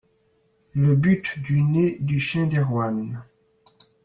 Le but du nez du chien d'Erwan.